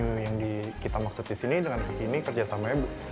cuma venue yang kita maksud disini dengan kekini kerjasamanya